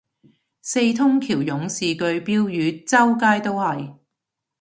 四通橋勇士句標語周街都係